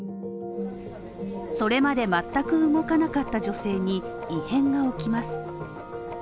それまで全く動かなかった女性に異変が起きます。